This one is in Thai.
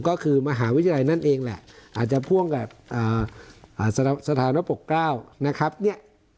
ก็คือมหาวิทยาลัยนั่นเองแหละอาจจะพ่วงกับสถานปกเกล้านะครับเนี่ย